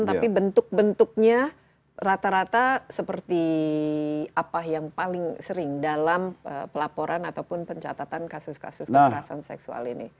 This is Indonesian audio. tapi bentuk bentuknya rata rata seperti apa yang paling sering dalam pelaporan ataupun pencatatan kasus kasus kekerasan seksual ini